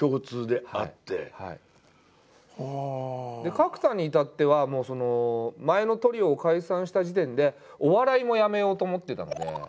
角田に至ってはもう前のトリオを解散した時点でお笑いも辞めようと思ってたので。